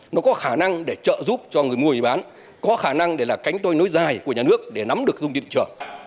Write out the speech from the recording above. nó có khả năng để trợ giúp cho người mua và người bán có khả năng để là cánh tôi nối dài của nhà nước để nắm được dung tiện trợ